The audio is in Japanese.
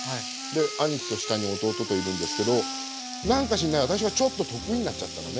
兄貴と下に弟といるんですけど何か知んない私がちょっと得意になっちゃったのね